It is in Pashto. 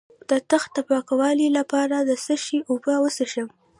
د تخه د پاکوالي لپاره د څه شي اوبه وڅښم؟